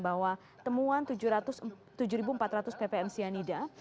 bahwa temuan tujuh empat ratus ppm cyanida